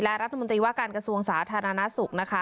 และรัฐมนตรีว่าการกระทรวงสาธารณสุขนะคะ